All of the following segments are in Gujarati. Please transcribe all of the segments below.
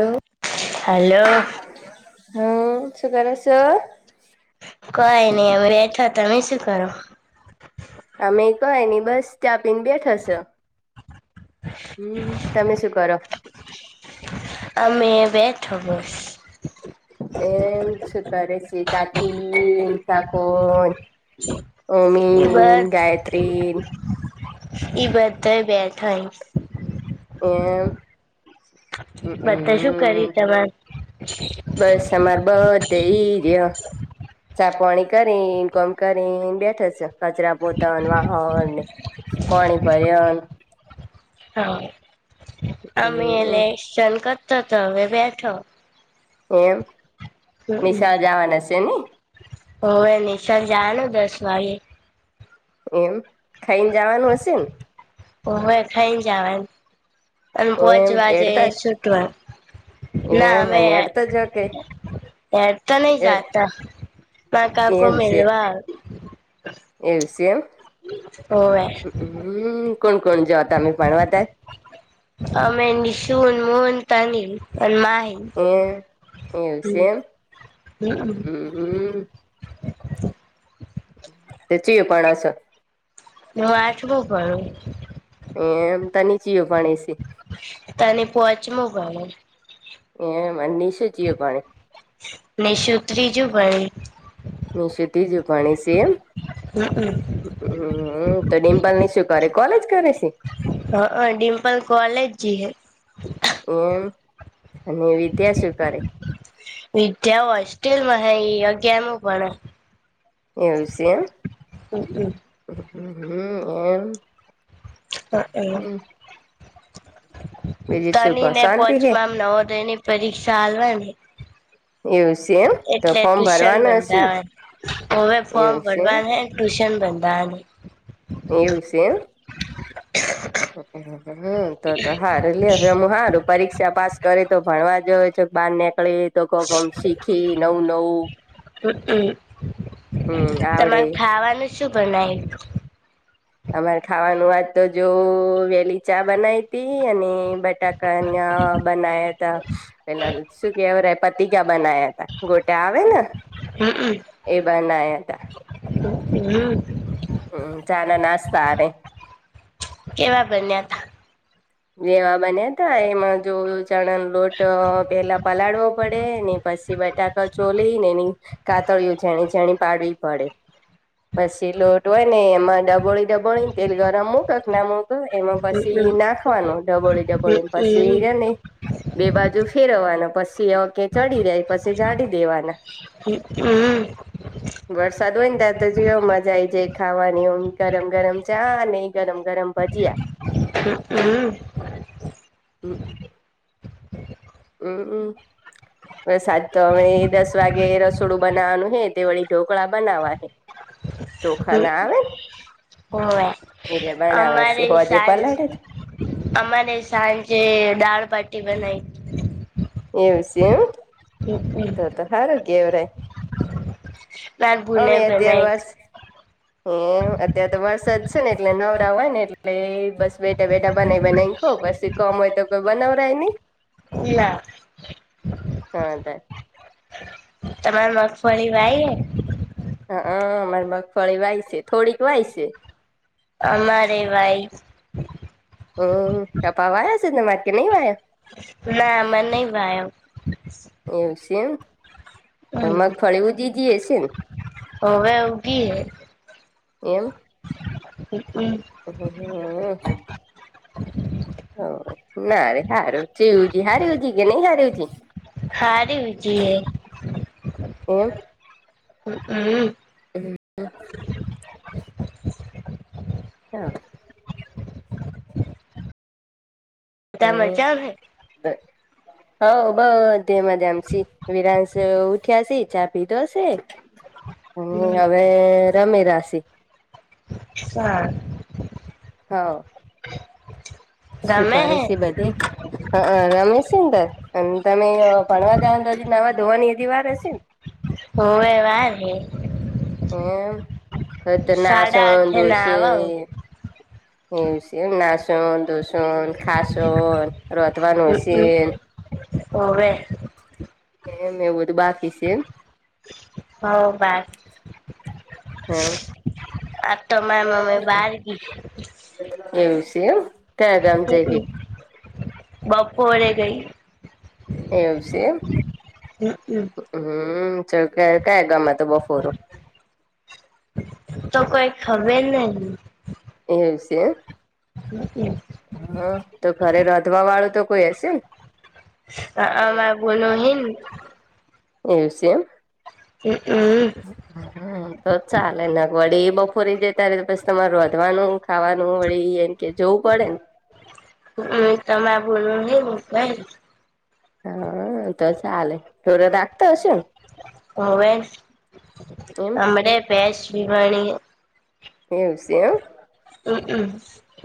હમ હલો. હમ્મ શું કરો છો? કઈ નઈ અમે બેઠો તો, તમે શું કરો? અમે કય ની બસ ચા પીને બેઠા છ. હમ્મ તમે શું કરો? અમે એ બેઠો બસ એમ છે કરે છે, કાચીન કાકોન ઈ ઓમીન ગાયત્રી એ બધાય બેઠા હિ. એમ બધાય શું હમમ કરિહી તમાર બસ અમાર બધા ઈર્ય. ચા પોણી કરીન કોમ કરી બેઠે છે કચરા પોતન વાહણ ને પોણી ભર્યાન હા અમે હમ એલે એક્સન કરતો તો હવે બેઠો. એમ નિશાળ જાવાન હશે ની હોવે નિશાલ જાવાનું દસ વાગે. એમ ખાઈને જવાનું હશે ન. હોવે ખઈન જાવાન અને પોચ એમ વાજે હેડતા જ છૂટવાન. ના એમ અમે અને એડતો જ કે હેડતા નહી જાતા માર કાકો એવું છે મેલવા આવે. એવું છે, એમ ઓવે હમ કોણ કોણ જતાને પણવાતા અમે નિશુન મોહનતાની અને માય એ એવું છે હમ એમ હ તેચીયે ઉપ ણસ નું આઠવુ પડું એ એમ ત નીચીય ભણી છે. તને પોચમુ ગણે છે. એમ મનશ [unintelligible] જીએ પાણી ને સુ ત્રીજું પણ નિશુતિ જ ઉપાણી સે એમ હમ તો ડિમ્પલની શું કરે કોલેજ કરે છે. હ હ ડિમ્પલ કોલેજ જ હૈ. એમ અને વિદ્યા સ્વીકારે વિદ્યા હોસ્ટેલમાં હૈ એ અગિયારમું ભણે એવું છે, એમ હમ હમ હ [unintelligible] હમ એમ હ એમ બીજું શું કહો તની ને શાંતિ હે પોંચમાંમ નવોદય ની પરીક્ષા હાલવાની એવું છે એમ તો એટલે ફોર્મ ટ્યુશન ભરવાનું હશે બંધે ને હવે. હવે ફોર્મ એવું છે એમ ભરવાનુ ટ્યુશન બંધ અને એવુ છે. એમ હમ તો તો હાર એટલે હવે હું સારું પરીક્ષા પાસ કરી તો ભણવા જો હોય છે. બહાર નીકળી તો કોમ [unintelligible] શીખી નવું નવું હમ આવડે તમારે ખાવાનું શું બનાયુ અમારે ખાવાનું વાત તો જો વેલી ચા બનાવી હતી અને બટાકાના બનાયા હતા પેલા શું કેવ રે પતિકા બનાવ્યા હતા. ગોટા આવે ને એ બનાયા હતા. હમ્મ હમ ચાના નાસ્તા આવે કેવા બન્યા હતા. જેવા બન્યા હતા એમાં જો ચણાનો લોટ પેલા પલાળવો પડે ને પછી બટાકા સોલી ને એની કાતળિયો જીણી જીણી પાડવી પડે. પછી લોટ હોય ને એમાં ડબોળી ડબોળી ને તેલ ગરમ મૂક કે ને મુક એમાં પછી હમ નાખવાનું ડબોળી ડબોળીને હમ પછી બે બાજુ ફેરવવાનો પછી પછી ઓકે ચડી જાય પછી જાડી દેવાના હમ હમ વરસાદ હોય ને ત્યારે તો જો મજા આઈ જાય ખાવાની ઓમ ગરમ ગરમ ચા અને ગરમ ગરમ ભજીયા હમ [unintelligible] હમ હમમ હમમ વરસાદ તો અવે દસ વાગે રસોડું બનાવાનું હે તે વળી ઢોકળા બનાવા હે હમ ચોખાના આવે હોવે ને એ ર બનાવાશે અમારે હજ સાંજ પલાળે છે. અમારે સાંજે દાળબાટી બનાવી એવું છે એમ [unintelligible] તો તો ખારું કેવ ર માર ભૂને અમે અગિયાર બનાઈ વર્ષ. હ અત્યારે તો વરસાદ છે ને એટલે નવરા હોય ને એટલે બસ બેઠા બેઠા બનાય બનાવી ખઉ પછી કોમ હોય તો કોઈ બનાવરાય નહી. એ હા ત તમારે મગફળી વાય. હ હ મામારે મગફળી વાય છે થોડીક વાય છે. અમારે ભાઈ. હમ કપા વાયા છેધ મા કે નહી વાયા. ના આમાં નહી ભાઈ. એવું છે એમ. તો મગ ફળવું દી જ હશે ને હવે એમ હ હમ હ હ. હ ના ર હારજી હાર્યુંજી કે નહી હાર્યું. સારીજી હમ. એ. હા. ઉ ત મરજા ભાઈ હ બધે મજામા સી વિરામસુ ઉઠ્યાસી ચા પીધો છે અને હવે રમેલાસી. સારુ. હા. હ. શું કરે છે બધે હા રમેશુંંદર અને તમે ભણવા જા નવા ધોવાની હજી વાર હશે ને. હોવે વાર હે હમત સાડા નાશન આઠે ના આવા દોસી. હવસી નાશો દુસન. ખાસો રોતવાનું હું સીન. હોવે. એમ એવુંધું બાકી છે. હ બાર એમ. આ તો મારે મમી બાર ગી એવું છે. ક્યાં ગામ જઈ બપોરે ગઈ. એવું સે એમ હમ હમ. હમ ચ કયા ગમે તો બપોર તો કોઈ ખવે નહી. એવું સે. હમ. હા તો ઘરે રાધવા વાળું તો કોઈ હશે ને. એવું અમાર બોલો હે છે એમ. હ હમ. તો ચાલે ન વડી બપોરી જ ત્યારે તો પછી તમાર રાધવાનું. ખાવાનું વળી એમ કે જોવું પડે ને. હ તમા બોલ ન ક હા તો ચાલે થોર રાખતા અશેું. એમ મવે અરે બેસ વિવાણી એવું છે એમ. હમ્મ હમ્મ.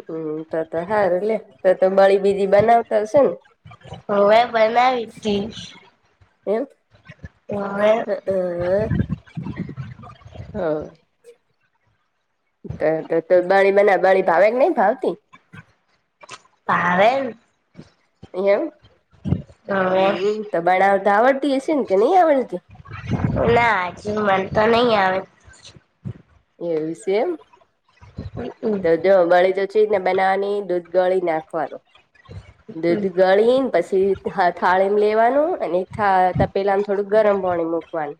હમ્મ તો તો હારૂ લે તો તો બળી બિજી બનાવતા હશે ને. હુંવે બનાવી તી એમ હોવે. હ અ હમ્મ. તો તો બળી બના બળી ભાવે કે નહી ભાવતી. ભાવે ન. એમ હવે હમ્મ હ તો બનાવતા આવડતી હશે ને કે નહી આવડતી. ના હજુ મનતો નહી આવ એવુ છે એમ. હમ્મ. તો જો બળી તો ચેવી રીત ના બનાવવાની દૂધ ગળી નાખવાનું. [inaudible] દૂધ ગળીન પછી થ થાળીમ લેવાનું અને થ તપેલામ થોડું ગરમ પાણી મૂકવાનું.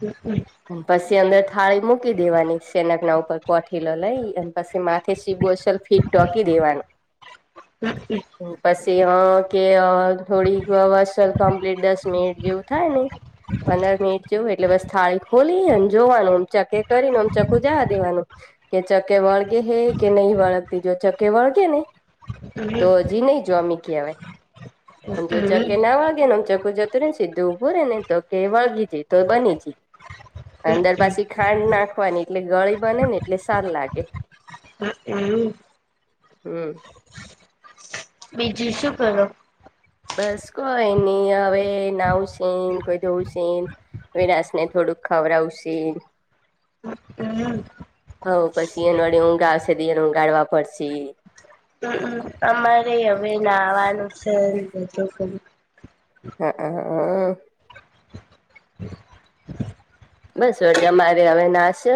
હ અ. [inaudible] પછી અંદર થાળી મૂકી દેવાની સેનાક ના ઉપર કોઠીલો લઈ અને પછી માથે સીબો સલફી ઢોકી દેવાનું. હ અ. [inaudible] પછી અ કે અ થોડીક વષલ કમ્પ્લીટ દસ મિનિટ જેવું થાય ને પંદર મિનિટ જેવું. એટલે બસ થાળી ખોલીને જોવાનું ચકે કરીને આમ ચકું જવા દેવાનું. કે ચક્કે વળગેહૈ કે નહી વળગતી જો ચક્કે વળગે ને તો હજી નહી જોમી કહેવાય જો ચકે ના વળગે નેમ ચકો જ ને સીધું ઉભું રે ને તો કે વળગી જી તો બની જી. અંદર પાછી ખાંડ નાખવાની એટલે ગળી બને ને એટલે સાર લાગે. હા હમ્મ. [inaudible] હમ્મ. બીજું શું કરો? બસ કોઈ નહી હવે નાવ છે કોઈ ધવ છેન. વિરાશ ને થોડુંક ખવડાવશેન. [inaudible] હમ્મ હ [unintelligible] હવ પછી ઇયન વડી ઊંઘ આવશે તો ઇયન ઊંગાડવા પડશે. હમમ અમારે હવે નાવાનું છે બધું કરું હા હા હા બસ વડી અમારે હવે નાશે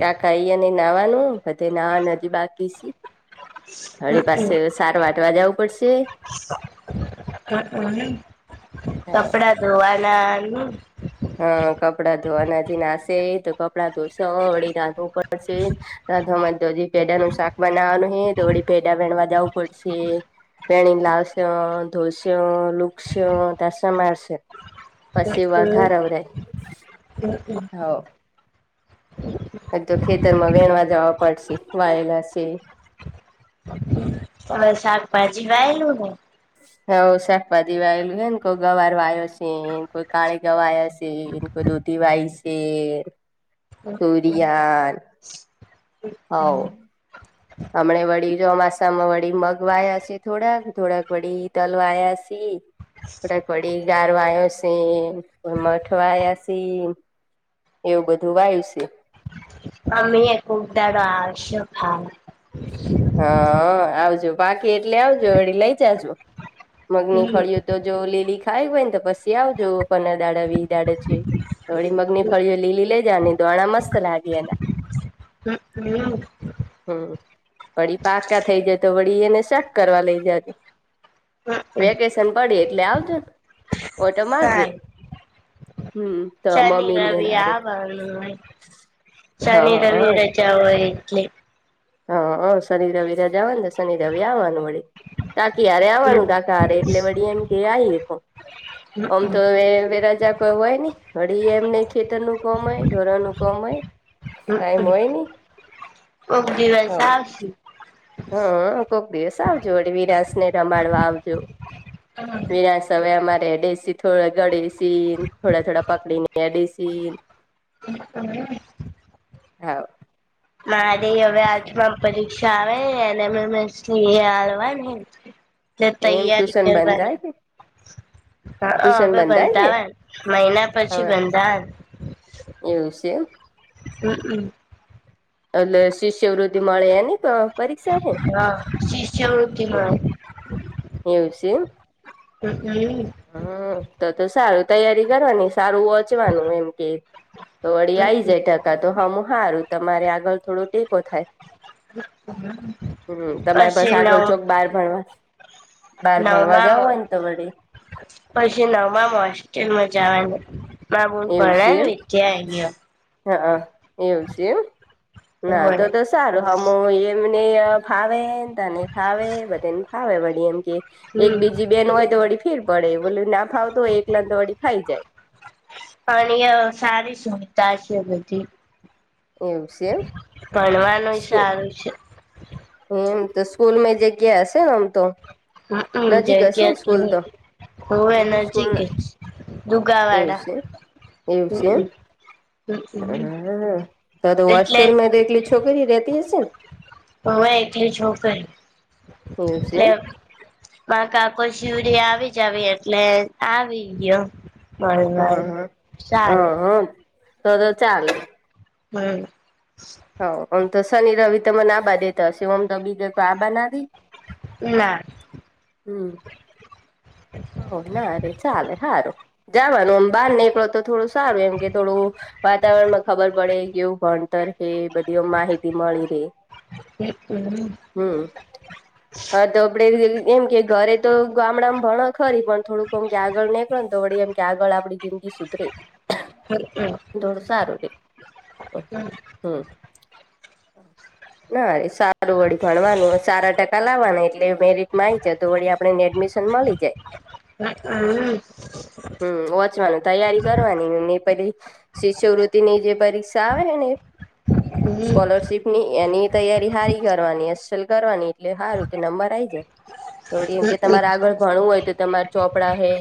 કાકા ઈયાને નાવાનું બધે નાવાન હજી બાકી છે હવે હમમ પાસે ચાર વાઢવા જાઉં પડશે. હ હમ્મ હ કપડા ધોવાના ની હા કપડાં ધોવાના હજી નાશે તો કપડાં ધોસો વળી રાંધવુ પડશે રાધવા માંતો હજી ભેડા નું શાક બનાવવાનું હે તો વડી ભેડા વેણવા જાવું પડશે વેણી લાવસો ધોસો લુક્ષસો તાણ સમારશો. પછી વાઘારવડે હવ હવે તો ખેતર માં વેણવા જવા પડશે વાયેલા છે. તમે શાકભાજી વાયલું હે. હ શાકભાજી વાયલું હો ને કોઈ ગવાર વાયો છે કોઈ કાળી ગવાર વાયો છે. કોઈ દૂધી વાઈસે, તુરીયાન હ ઓ [inaudible] હમણા વળી ચોમાસામાં વળી મગ વાયાસી, થોડાક થોડાક વળી હઈ તલ વાયાસી પ કડીગારવાયોસી મટ વાયાસી એવું બધું વાયુ છે. અમેય કોક દારો આવશું ખાવા હા આવજો પાકી એટલે આવજો વડી લઈ જજો મગની હમમ ફળીઓ તો જો લીલી ખાઈ હોય ને તો પછી આવજો પંદર દાડા વી‌હ દાડા છે. થોડી મગની ફળીઓ લીલી લઇ જાય દોણા મસ્ત લાગે એને હમ હમ હ વળી પાકા થઈ જાય તો વળી એને શાક કરવા લઇ જાયજો હમમ વેકેશન પડી એટલે આવજો ને ઓટો મારજો સારું હમ તો શનિ મમ્મી ની રવિ એના આવવાનું હોય, શનિ રવિ હારે રજા હોય એટલે હા શનિ રવિ રજા હોય નને શનિ રવિ આવવાનું વળી કાકી હરે હમમ આવવાનું કાકા હરે એટલે વળી એમ કે આયએ ઓમ હમમ તો વે વેરાજા કોઈ હોય ને હળી એમનહ ખેતર નું કોમ હોય ઢોર નું કોમ હોય ટાઈમ હમમ હોય નને કોક દિવસ આવશુ હા, કોક દિવસ આવજો વળી વિરાશ ને રમાડવા આવજો હ વિનાસ હવે અમારે હેડેસી થોડા ગળે સીન થોડા થોડા પકડી ને હેડેસીન [inaudible] હા મારી હવે [unintelligible] જમાં પરીક્ષા આવે એને મેસ્ ની એ આલહવા નીન ને એમ તૈયારી ટ્યુશન બંધ કરવાની. થાય કે હા ટ્યુશન હવે બંધ થાય કે બંધાવ હોય મહિના પછી હા બંધાહય એવું છે એમ. હમ હમ એલે શિષ્યવૃદધિ મળળે એની પ હા શિષ્ય વૃત્તિમા એવું છે એમ. હ હ હમ તો તો સારું તૈયારી કરવાની સારું ઓંચવાનું એમ કે તો વળી આ આવી જાય ટકા તો હા હું સારું તમારે આગળ થોડો ટેકો થાય. હમ તમે પાસ પછી આગળ નવ ચોક બહાર ભણવા બાર ભણવા જાવું નવમામાં હોય, ને તો વડે પછી નમામ હોસ્ટેલમાં એવું છે એમ જવાની [unintelligible] હા એવું છે એમ ના તો અહિયાં તો સારું હમુ એમને ફાવે તને ફાવે બધે ને ફાવે વડી એમ કે એક હમમ બીજી બેન હોય તો વળડી ફીર પડે બોલી ના ફાવતો હોય એકલા વળી ફાઈ જાય. પણ સારી સુવિધા છે. બધી એવું છે એમ ભણવાનું સ્કૂલ સારું છે. એમ તો સ્કૂલ માં જગ્યા હશે, ને આમ તો હમ હમ નજીક હશે જગ્યા ને તો સ્કૂલ હ હોવે એમ નજીક સ્કૂલ છે એવું દુગાવાડા છે એવું છે હમમ હમમ એમ તો એટલે હોસ્ટેલ દેખલી છ છોકરી રેતી છે. હહવે એટલી છોકરી એવું છે એટલે એમ મા કાકો શિવરી આવી જ આવી એટલે આવી ગયો. [unintelligible] હા હા સારું હા તો તો ચાલે. [inaudible] હ આમ તો શનિ રવિ તમને આબા દેતા હશેમ તો બીજે કોઈ આબા નાદે. ના. હમ્મ. ઓ ના રે ચાલે સારું જવાનું આમ બહાર નીકળો તો થોડું સારું એમ કે થોડું વાતાવરણમાં ખબર પડે કેવું ભણતર કે બધી માહિતી મળી રે. [inaudible] હમ્મ હા તો આપડે એમ કે ઘરે તો ગામડામાં ભણ ખરી પણ થોડુંક એમ કે આગળ નીકળ તો વળી એમ કે આગળ આપણી જિંદગી સુધરે. [inaudible] થોડુ સારું રે. [inaudible] હમ નારે સારું વળી ભણવાનું સારા ટકા લાવવાના એટલે મેરિટ માં આવી જાય તો વળી આપને એડમિશન મળી જાય. [inaudible] હમ્મ વોચવાનું તૈયારી કરવાની ને પેલી શિષ્યવૃત્તિ ની જે પરીક્ષા આવે ને હમ્મ. સ્કોલરશીપ ની એની તૈયારી હારી કરવાની [unintelligible] કરવાની એટલે હારું કે નંબર આઈ જાય. [inaudible] થોડી એમ કે તમારે આગળ ભણવું હોય તો તમારે ચોપડા હૈ